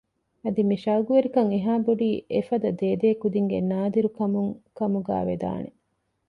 އަދި މި ޝައުޤުވެރިކަން އެހާ ބޮޑީ އެފަދަ ދޭދޭ ކުދިންގެ ނާދިރު ކަމުން ކަމުގައި ވެދާނެ